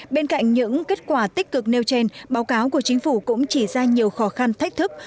bên cạnh những kết quả tích cực nêu trên báo cáo của chính phủ cũng chỉ ra nhiều khó khăn thách thức